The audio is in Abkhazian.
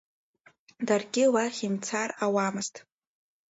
Даргьы уахь имцар ауамызт.